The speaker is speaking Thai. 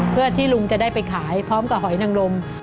เพื่อที่ลุงจะได้ไปขายพร้อมกับหอยนังลม